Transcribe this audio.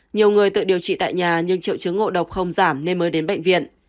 nhiều người tự điều trị tại nhà nhưng triệu chứng ngộ độc không giảm nên mới đến bệnh viện